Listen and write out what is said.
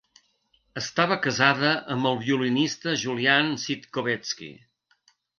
Estava casada amb el violinista Julian Sitkovetsky.